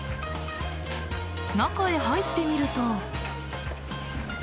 中へ入ってみると。